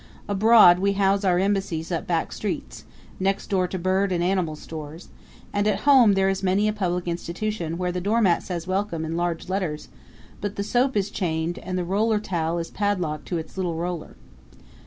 Abroad we house our embassies up back streets, next door to bird and animal stores; and at home there is many a public institution where the doormat says WELCOME! in large letters, but the soap is chained and the roller towel is padlocked to its little roller.